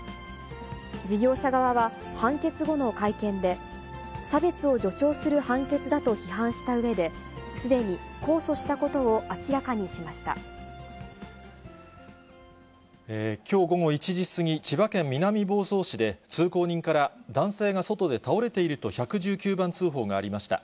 事業者側は判決後の会見で、差別を助長する判決だと批判したうえで、すでに控訴したことを明きょう午後１時過ぎ、千葉県南房総市で、通行人から、男性が外で倒れていると１１９番通報がありました。